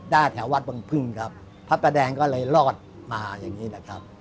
แถววัดบังพึ่งครับพระประแดงก็เลยรอดมาอย่างนี้นะครับ